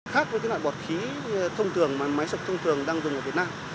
khác với cái loại bọt khí thông thường mà máy sập thông thường đang dùng ở việt nam